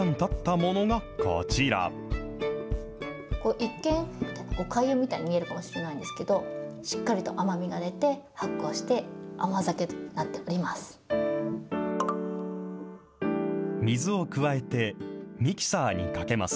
一見、おかゆみたいに見えるかもしれないんですけど、しっかりと甘みが出て発酵して、甘酒となっております。